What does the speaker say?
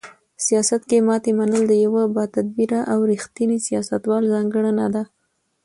سیاست کې ماتې منل د یو باتدبیره او رښتیني سیاستوال ځانګړنه ده.